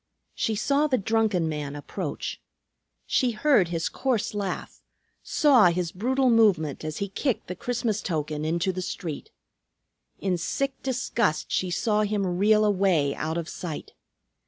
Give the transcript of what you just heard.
She saw the drunken man approach. She heard his coarse laugh; saw his brutal movement as he kicked the Christmas token into the street. In sick disgust she saw him reel away out of sight.